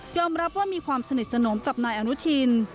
รับว่ามีความสนิทสนมกับนายอนุทิน